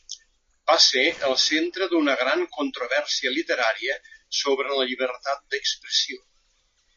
Va ser el centre d'una gran controvèrsia literària sobre la llibertat d'expressió.